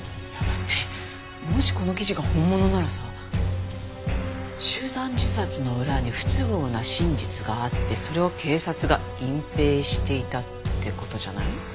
だってもしこの記事が本物ならさ集団自殺の裏に不都合な真実があってそれを警察が隠蔽していたって事じゃない？